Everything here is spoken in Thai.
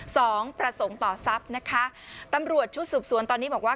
สองประสงค์ต่อทรัพย์นะคะตำรวจชุดสืบสวนตอนนี้บอกว่า